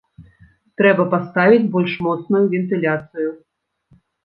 Трэба паставіць больш моцную вентыляцыю.